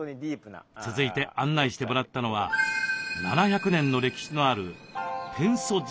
続いて案内してもらったのは７００年の歴史のある天祖神社です。